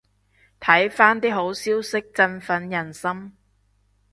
睇返啲好消息振奮人心